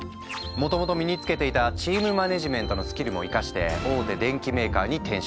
もともと身につけていたチームマネジメントのスキルも生かして大手電機メーカーに転職。